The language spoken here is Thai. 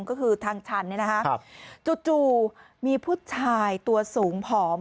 ก็คือทางชันจู่มีผู้ชายตัวสูงผอม